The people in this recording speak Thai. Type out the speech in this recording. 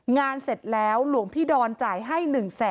งานเสร็จแล้วหลวงพี่ดอนใจให้๑๐๐๐๐๐